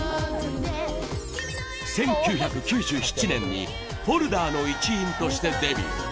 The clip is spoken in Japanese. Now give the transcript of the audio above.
１９９７年にＦｏｌｄｅｒの一員としてデビュー。